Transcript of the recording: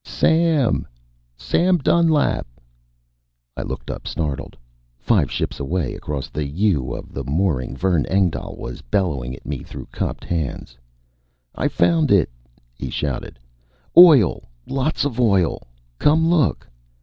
"Saaam! Sam Dunlap!" I looked up, startled. Five ships away, across the U of the mooring, Vern Engdahl was bellowing at me through cupped hands. "I found it!" he shouted. "Oil, lots of oil! Come look!"